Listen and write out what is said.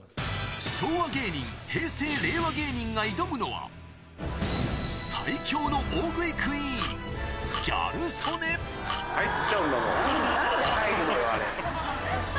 昭和芸人、平成・令和芸人が挑むのは、最強の大食いクイーン、ギャル曽なんで入るのよ、あれ。